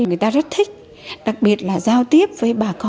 người ta rất thích đặc biệt là giao tiếp với bà con tại chỗ